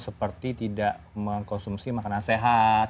seperti tidak mengkonsumsi makanan sehat